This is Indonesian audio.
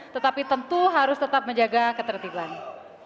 tetapi tentu harus tetap menjaga ketertiban